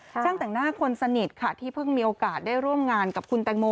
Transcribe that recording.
ช่างแต่งหน้าคนสนิทค่ะที่เพิ่งมีโอกาสได้ร่วมงานกับคุณแตงโม